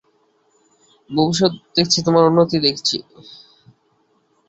ভবিষ্যৎ দেখেছি, তোমার উন্নতি দেখেছি।